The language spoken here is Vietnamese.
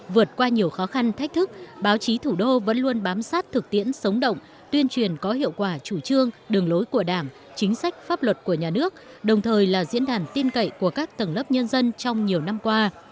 vượt qua nhiều khó khăn thách thức báo chí thủ đô vẫn luôn bám sát thực tiễn sống động tuyên truyền có hiệu quả chủ trương đường lối của đảng chính sách pháp luật của nhà nước đồng thời là diễn đàn tin cậy của các tầng lớp nhân dân trong nhiều năm qua